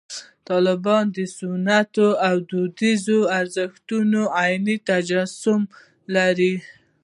طالبان د سنتي او دودیزو ارزښتونو عیني تجسم لري.